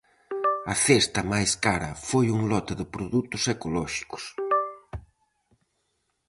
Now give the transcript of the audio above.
A cesta máis cara foi un lote de produtos ecolóxicos.